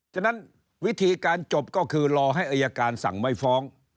ฉะนั้นวิธีการจบก็คือรอให้อายการสั่งไม่ฟ้อง